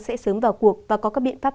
sẽ sớm vào cuộc và có các biện pháp